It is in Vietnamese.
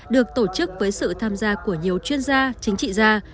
được tổ chức với sự tham gia của nhiều chuyên gia chính trị gia